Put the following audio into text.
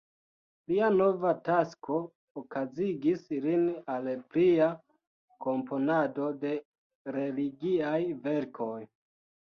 Lia nova tasko okazigis lin al plia komponado de religiaj verkoj.